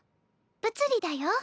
物理だよ。